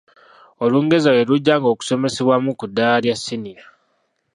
Olungereza lwe lugya nga okusomesebwamu mu ku ddala lya Siniya.